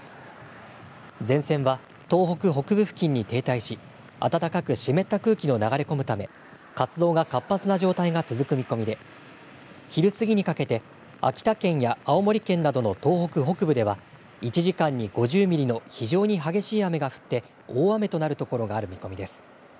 前線は東北北部付近に停滞し暖かく湿った空気が流れ込むため活動が活発な状態が続く見込みで、昼過ぎにかけて秋田県や青森県などの東北北部では１時間に５０ミリの非常に激しい雨が降って大雨となる所がある見込みです。